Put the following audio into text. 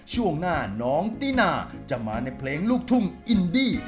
ช่วงหน้าน้องตินาจะมาในเพลงลูกทุ่งอินดี้